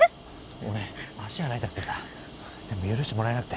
俺足洗いたくてさでも許してもらえなくて。